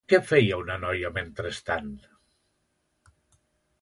Què feia una noia mentrestant?